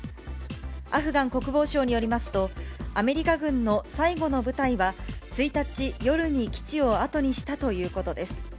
アフガン国防省によりますと、アメリカ軍の最後の部隊は、１日夜に基地を後にしたということです。